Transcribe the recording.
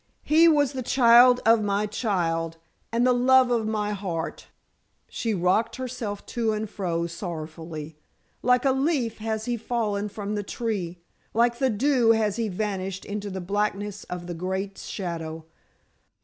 He was the child of my child and the love of my heart," she rocked herself to and fro sorrowfully, "like a leaf has he fallen from the tree; like the dew has he vanished into the blackness of the great shadow.